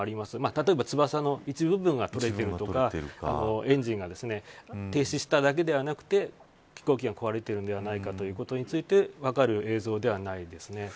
例えば翼の一部分が取れているとかエンジンが停止しただけではなくて飛行機が壊れているんではないかということについて分かる映像ではないです。